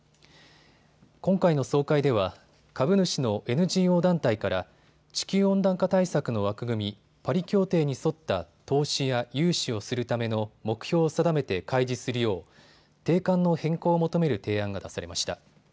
今回の総会では株主のＮＧＯ団体から地球温暖化対策の枠組みパリ協定に沿った投資や融資をするための目標を定めて開示するよう定款の変更を求める提案が出されました。